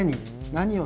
「何を」